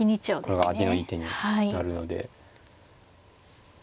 これは味のいい手になるので。